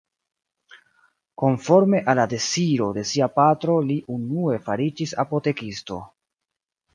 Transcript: Konforme al la deziro de sia patro li unue fariĝis apotekisto.